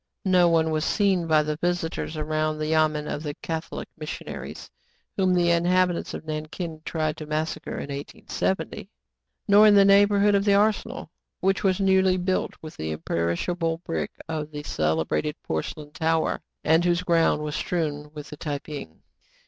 No one was seen by the visitors around the yamen of the Cath olic missionaries, whom the inhabitants of Nankin tried to massacre in 1870, nor in the neighborhood of the arsenal, which was newly built with the imperishable brick of the celebrated porcelain tower, and whose ground was strewn with the Tai ping.